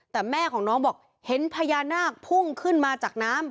แต่แม่ของน้องบอกเห็นพญานาคพุ่งขึ้นมาจากน้ำ